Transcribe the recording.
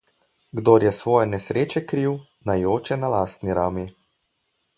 Kdor je svoje nesreče kriv, naj joče na lastni rami.